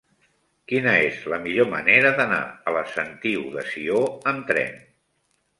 Quina és la millor manera d'anar a la Sentiu de Sió amb tren?